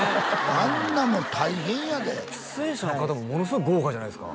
あんなもん大変やで出演者の方もものすごい豪華じゃないですか？